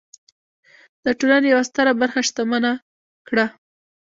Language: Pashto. د ټولنې یوه ستره برخه شتمنه کړه.